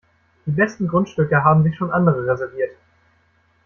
Die besten Grundstücke haben sich schon andere reserviert.